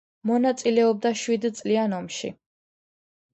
მონაწილეობდა შვიდწლიან ომში.